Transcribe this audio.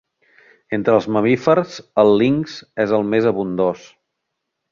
Entre els mamífers el linx és el més abundós.